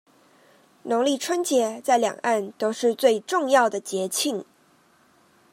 農曆春節在兩岸都是最重要的節慶